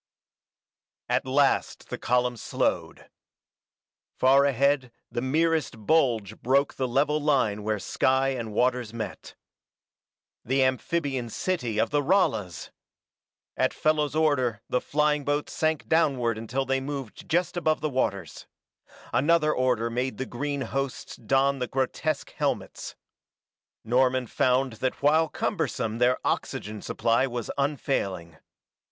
At last the column slowed. Far ahead the merest bulge broke the level line where sky and waters met. The amphibian city of the Ralas! At Fellows' order the flying boats sank downward until they moved just above the waters. Another order made the green hosts don the grotesque helmets. Norman found that while cumbersome their oxygen supply was unfailing.